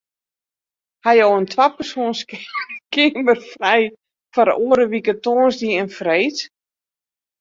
Ha jo in twapersoans keamer frij foar oare wike tongersdei en freed?